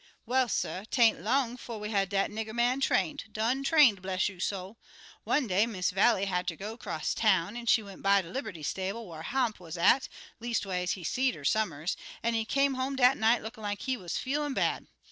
Well, suh, 'tain't long 'fo' we had dat nigger man trained done trained, bless you' soul! One day Miss Vallie had ter go 'cross town, an' she went by de liberty stable whar Hamp wuz at, leastways, he seed 'er some'rs; an' he come home dat night lookin' like he wuz feelin' bad.